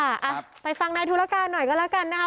อ่ะไปฟังนายธุรการหน่อยก็แล้วกันนะคะ